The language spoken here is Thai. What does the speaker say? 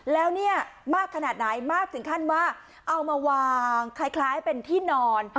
แล้วเนี่ยมากขนาดไหนมากถึงขั้นว่าเอามาวางคล้ายเป็นที่นอน